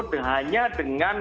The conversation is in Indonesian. hanya dengan mendasarkan pandangan